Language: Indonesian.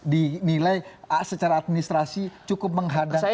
dinilai secara administrasi cukup menghadang anies tidak ya